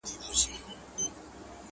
جانان مي مه رسوا کوه ماته راځینه!